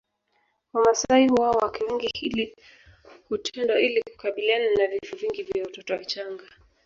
Wamasai huoa wake wengi hii hutendwa ili kukabiliana na vifo vingi vya watoto wachanga